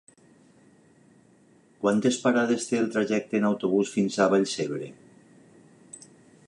Quantes parades té el trajecte en autobús fins a Vallcebre?